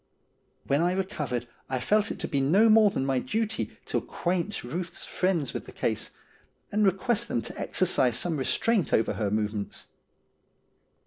When I recovered I felt it to be no more than my duty to acquaint Ruth's friends with the case, and request them to exercise some restraint over her movements.